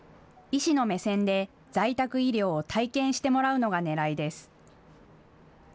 医師の目線で在宅医療を体験してもらうのがねらいです。